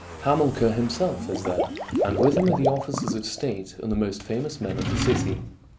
Hamilcar himself is there, and with him are the officers of state and the most famous men of the city.